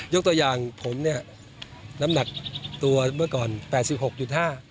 ตัวอย่างผมเนี่ยน้ำหนักตัวเมื่อก่อนแปดสิบหกจุดห้า